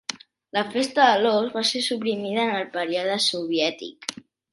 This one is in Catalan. La Festa de l'Ós va ser suprimida en el període soviètic.